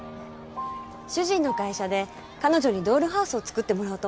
主人の会社で彼女にドールハウスを作ってもらおうと思ってるの。